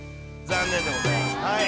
残念でございますはい。